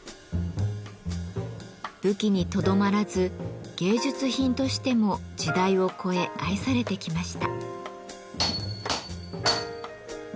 武器にとどまらず芸術品としても時代を超え愛されてきました。